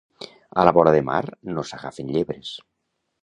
A la vora de mar no s'agafen llebres.